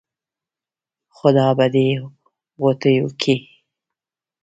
خدا به دې ِغوټېو کې